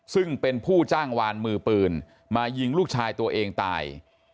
ซึ่งเป็นผู้จ้างวานมือปืนมายิงลูกชายตัวเองตาย